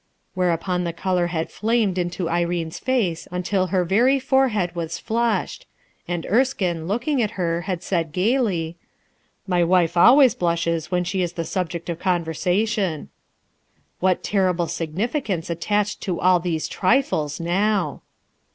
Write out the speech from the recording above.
Where upon the color had flamed into Irene's face until her very forehead was flushed; and Erskine, looking at her, had said gayly :— "My wife always blushes when she is the subject of conversation." What terrible sig nificance attached to all these trifles now